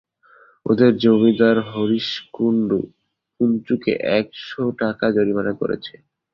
ওদের জমিদার হরিশ কুণ্ডু পঞ্চুকে এক-শো টাকা জরিমানা করেছে।